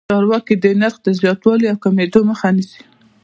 چارواکي د نرخ د زیاتوالي او کمېدو مخه نیسي.